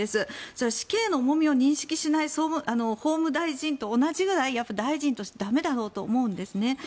それは死刑の重みを認識しない法務大臣と同じぐらい大臣として駄目だろうと思うんですね。